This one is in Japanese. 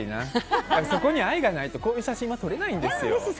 そこに愛がないとこういう写真は撮れないんですよ。